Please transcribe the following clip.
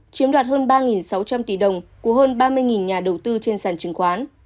chiếm đoạt hơn ba sáu trăm linh tỷ đồng của hơn ba mươi nhà đầu tư trên sàn chứng khoán